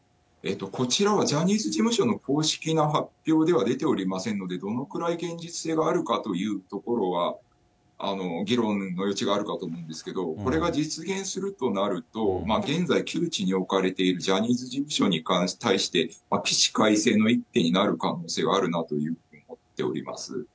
こちらは、ジャニーズ事務所の公式な発表では出ておりませんので、どのくらい現実性があるかというところは議論の余地があるかと思うんですけど、これが実現するとなると、現在、窮地に置かれているジャニーズ事務所に対して、起死回生の一手になる可能性はあるなと思っております。